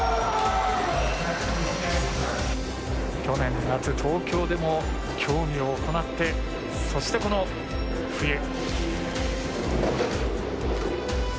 去年夏東京でも競技を行ってそして、この冬。